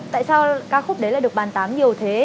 tại sao ca khúc đấy lại được bàn tán nhiều thế